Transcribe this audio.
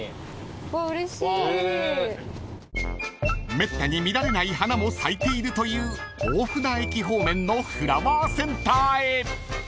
［めったに見られない花も咲いているという大船駅方面のフラワーセンターへ］